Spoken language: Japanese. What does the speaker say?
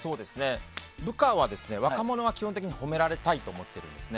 部下は若者は基本的に褒められたいと思っているんです。